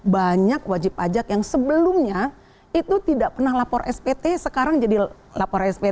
banyak wajib pajak yang sebelumnya itu tidak pernah lapor spt sekarang jadi lapor spt